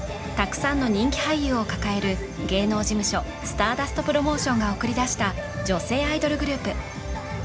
たくさんの人気俳優を抱える芸能事務所スターダストプロモーションが送り出した女性アイドルグループ